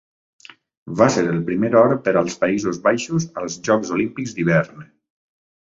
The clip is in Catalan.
Va ser el primer or per als Països Baixos als Jocs Olímpics d'hivern.